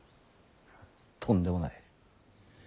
とんでもない。